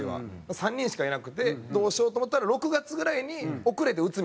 ３人しかいなくてどうしようと思ったら６月ぐらいに遅れて内海が入ってきたんですよ。